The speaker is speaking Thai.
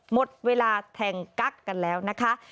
หมดเวลาแทงกั๊กกันแล้วนะคะ